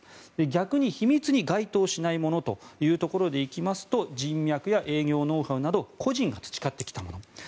逆に秘密に該当しないものでいうと人脈や営業ノウハウなど個人が培ってきたもの